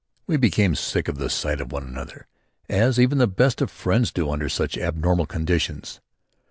We became sick of the sight of one another as even the best of friends do under such abnormal conditions.